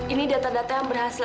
ini data data berhasil